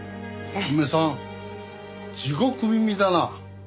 お前さん地獄耳だな。